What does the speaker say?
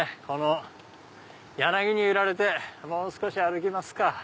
この柳に揺られてもう少し歩きますか。